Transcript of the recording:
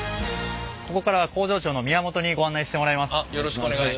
ここからは工場長の宮本にご案内してもらいます。